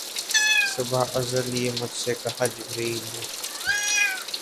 صبح ازل یہ مجھ سے کہا جبرئیل نے